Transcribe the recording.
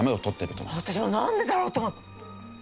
私もなんでだろうと思って。